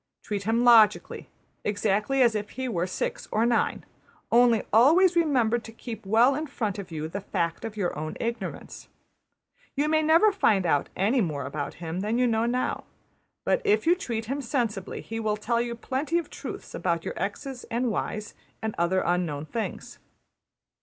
Treat him logically, exactly as if he were six or nine; only always remember to keep well in front of you \emph{the fact of your own ignorance}. You may never find out any more about him than you know now; but if you treat him sensibly he will tell you plenty of truths about your $x$'s and $y$'s, and other unknown things.